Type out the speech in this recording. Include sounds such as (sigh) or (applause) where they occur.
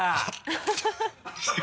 ハハハ (laughs)